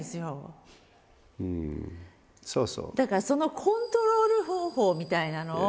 だからそのコントロール方法みたいなのを。